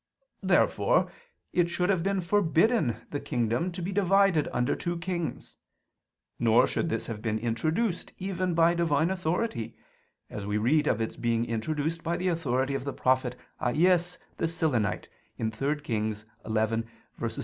Therefore it should have forbidden the kingdom to be divided under two kings: nor should this have been introduced even by Divine authority; as we read of its being introduced by the authority of the prophet Ahias the Silonite (3 Kings 11:29, seqq.).